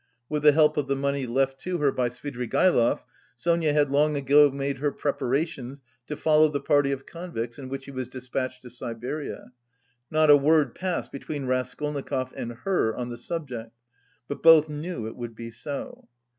With the help of the money left to her by Svidrigaïlov, Sonia had long ago made her preparations to follow the party of convicts in which he was despatched to Siberia. Not a word passed between Raskolnikov and her on the subject, but both knew it would be so.